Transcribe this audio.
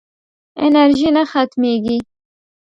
انرژي نه ختمېږي.